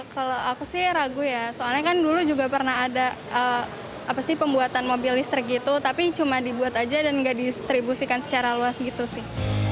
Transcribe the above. kalau aku sih ragu ya soalnya kan dulu juga pernah ada pembuatan mobil listrik gitu tapi cuma dibuat aja dan nggak didistribusikan secara luas gitu sih